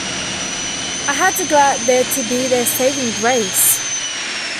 I had to go out there to be their saving grace.